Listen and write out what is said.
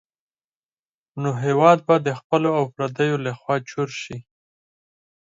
نو هېواد به د خپلو او پردیو لخوا چور شي.